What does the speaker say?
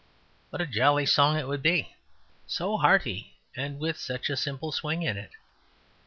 What a jolly song it would be so hearty, and with such a simple swing in it!